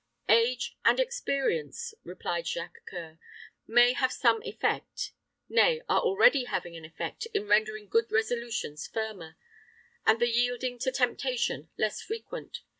"Age and experience," replied Jacques C[oe]ur, "may have some effect; nay, are already having an effect in rendering good resolutions firmer, and the yielding to temptation less frequent.